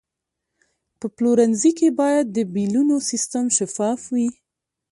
په پلورنځي کې باید د بیلونو سیستم شفاف وي.